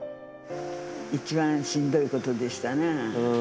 一番しんどいことでしたな。